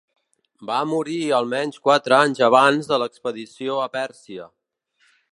Va morir almenys quatre anys abans de l'expedició a Pèrsia.